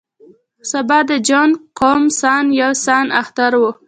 سبا د جوانګ قوم سان یو سان اختر و.